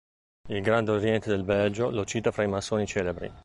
Il Grande Oriente del Belgio lo cita fra i massoni celebri.